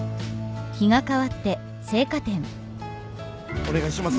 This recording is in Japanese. お願いします。